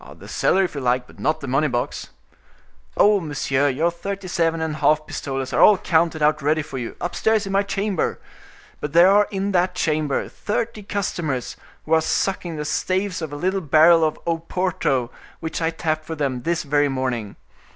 "The cellar, if you like, but not the money box." "Oh, monsieur, your thirty seven and a half pistoles are all counted out ready for you, upstairs in my chamber; but there are in that chamber thirty customers, who are sucking the staves of a little barrel of Oporto which I tapped for them this very morning.